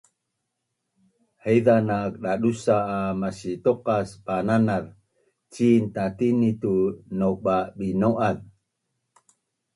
Haiza nak dadusa’ a masituqas bananaz cin tatini tu nauba’binau’az